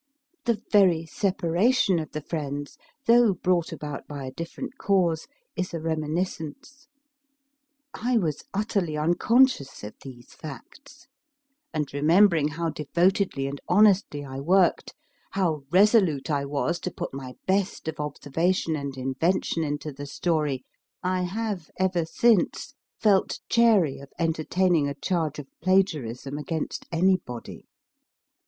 The very separation of the friends, though brought about by a different cause, is a reminiscence. I was utterly unconscious of these facts, and, remembering how devotedly THE STOCK WAS TRANSFERRED 204 MY FIRST BOOK and honestly I worked, how resolute I was to put my best of observation and invention into the story, I have ever since felt chary of entertaining a charge of plagiarism against anybody.